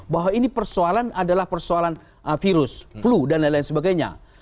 bahwa ini persoalan adalah persoalan virus flu dan lain lain sebagainya